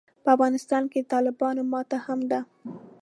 په افغانستان کې د طالبانو ماته هم ده.